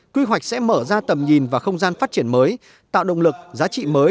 quy hoạch sẽ mở ra tầm nhìn và không gian phát triển mới tạo động lực giá trị mới